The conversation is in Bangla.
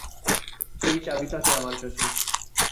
সেই চাবি থাকে আমার কাছে।